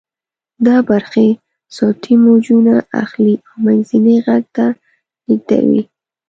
دا برخې صوتی موجونه اخلي او منځني غوږ ته لیږدوي.